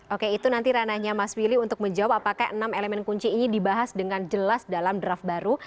oke itu nanti ranahnya mas willy untuk menjawab apakah enam elemen kunci ini dibahas dengan jelas dalam draft baru